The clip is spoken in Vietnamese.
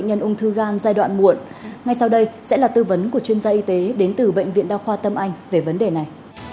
ngay sau đây sẽ là tư vấn của chuyên gia y tế đến từ bệnh viện đa khoa tâm anh về vấn đề này